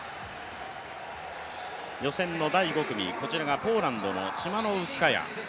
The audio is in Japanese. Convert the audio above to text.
予選の第５組こちらがポーランドのチマノウスカヤ。